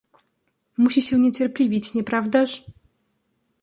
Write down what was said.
"Musi się niecierpliwić, nie prawdaż?"